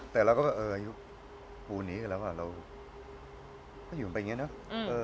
แต่เราก็เอออายุปูนี้กันแล้วเราก็อยู่กันไปอย่างนี้เนอะ